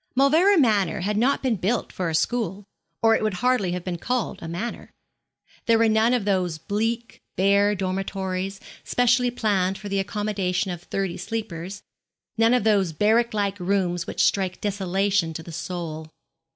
Mauleverer Manor had not been built for a school, or it would hardly have been called a manor. There were none of those bleak, bare dormitories, specially planned for the accommodation of thirty sleepers none of those barrack like rooms which strike desolation to the soul.